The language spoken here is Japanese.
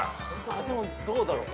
でもどうだろう？